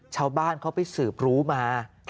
ชาวบ้านเขาไปสืบรู้มา